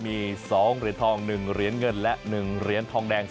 มี๒เหรียญทอง๑เหรียญเงินและ๑เหรียญทองแดง